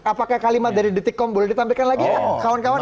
apakah kalimat dari detik kom boleh ditampilkan lagi ya kawan kawan